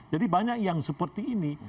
jadi banyak yang seperti ini